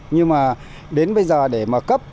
nhưng mà đến bây giờ để mà cấp